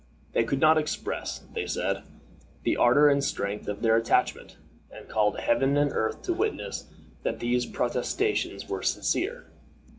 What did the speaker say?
They could not express, they said, the ardor and strength of their attachment, and called Heaven and earth to witness that these protestations were sincere.